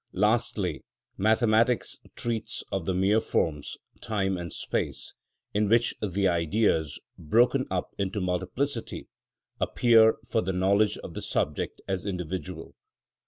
Lastly, mathematics treats of the mere forms, time and space, in which the Ideas, broken up into multiplicity, appear for the knowledge of the subject as individual.